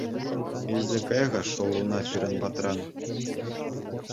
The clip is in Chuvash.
Илсе кай-ха шӑллуна пирӗн патран.